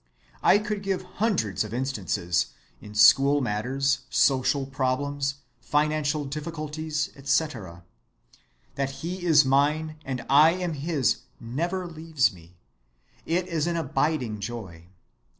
I could give hundreds of instances, in school matters, social problems, financial difficulties, etc. That he is mine and I am his never leaves me, it is an abiding joy.